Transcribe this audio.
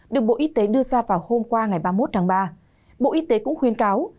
được bộ y tế đưa ra vào hôm qua ngày ba mươi một tháng ba bộ y tế cũng khuyên cáo